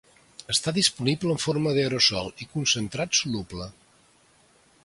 Està disponible en forma d'aerosol i concentrat soluble.